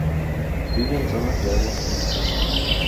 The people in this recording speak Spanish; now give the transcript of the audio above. Vive en zonas de aguas dulces.